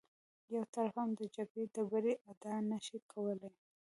یو طرف هم د جګړې د بري ادعا نه شي کولی.